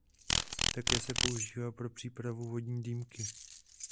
Také se používá pro přípravu vodní dýmky.